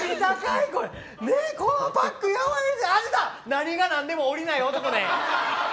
何が何でも降りない男。